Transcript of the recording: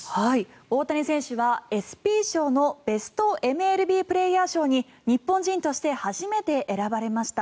大谷選手はＥＳＰＹ賞のベストＭＬＢプレーヤー賞に日本人として初めて選ばれました。